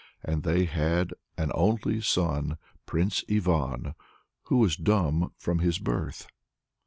And they had an only son, Prince Ivan, who was dumb from his birth.